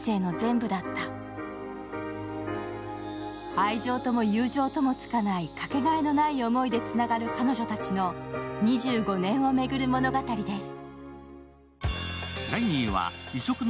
愛情とも友情ともつかないかけがえのない思いでつながる彼女たちの２５年を巡る物語です。